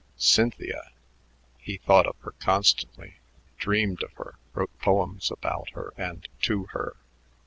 Cynthia! He thought of her constantly, dreamed of her, wrote poems about her and to her.